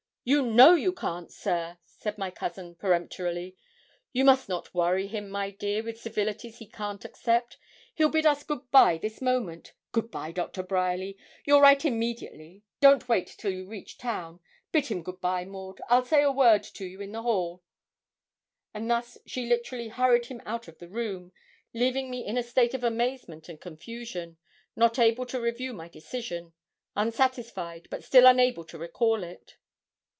You know you can't, sir,' said my cousin, peremptorily. 'You must not worry him, my dear, with civilities he can't accept. He'll bid us good bye this moment. Good bye, Doctor Bryerly. You'll write immediately; don't wait till you reach town. Bid him good bye, Maud. I'll say a word to you in the hall.' And thus she literally hurried him out of the room, leaving me in a state of amazement and confusion, not able to review my decision unsatisfied, but still unable to recall it.